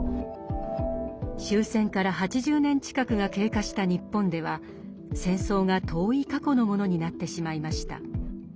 終戦から８０年近くが経過した日本では戦争が遠い過去のものになってしまいました。